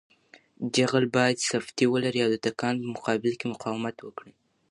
جغل باید سفتي ولري او د تکان په مقابل کې مقاومت وکړي